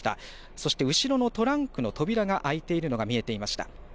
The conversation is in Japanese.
そして後ろのトランクの扉が開いているのが見えていました。